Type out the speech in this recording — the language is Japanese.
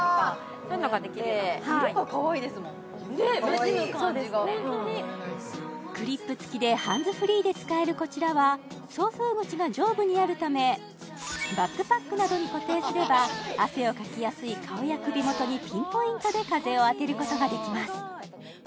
こうやってねっホントになじむ感じがクリップつきでハンズフリーで使えるこちらは送風口が上部にあるためバックパックなどに固定すれば汗をかきやすい顔や首元にピンポイントで風を当てることができます